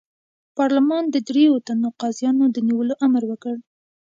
پارلمان د دریوو تنو قاضیانو د نیولو امر وکړ.